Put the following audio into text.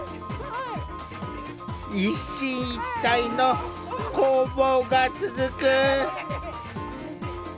一進一退の攻防が続く。